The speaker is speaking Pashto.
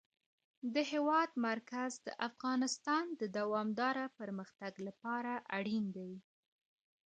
د هېواد مرکز د افغانستان د دوامداره پرمختګ لپاره اړین دي.